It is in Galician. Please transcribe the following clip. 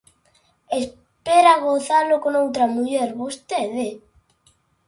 Espera gozalo con outra muller, vostede?